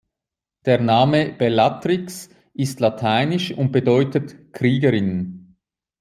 Der Name Bellatrix ist lateinisch und bedeutet „Kriegerin“.